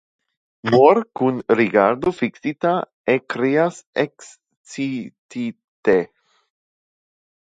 Moor kun rigardo fiksita ekkrias ekscitite.